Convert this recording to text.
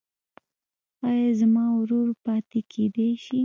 ایا زما ورور پاتې کیدی شي؟